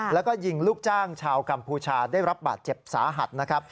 แล้วก็ยิงลูกจ้างชาวกัมพูชาได้รับบาดเจ็บสาหัสนะครับ